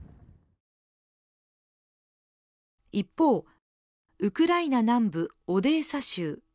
一方、ウクライナ南部オデーサ州。